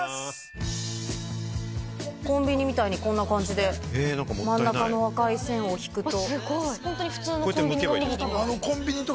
コンビニみたいにこんな感じで真ん中の赤い線を引くと。